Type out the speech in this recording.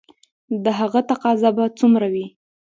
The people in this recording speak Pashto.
د هغه تقاضا به څومره وي؟